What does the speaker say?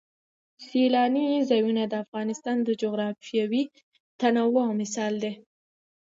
سیلانی ځایونه د افغانستان د جغرافیوي تنوع مثال دی.